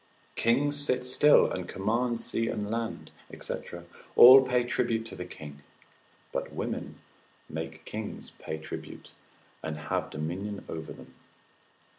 Kings sit still and command sea and land, &c., all pay tribute to the king; but women make kings pay tribute, and have dominion over them.